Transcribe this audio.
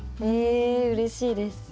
えうれしいです。